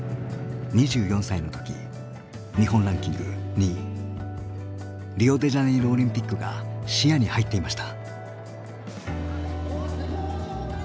２４歳の時リオデジャネイロオリンピックが視野に入っていました。